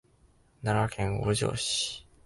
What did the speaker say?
奈良県五條市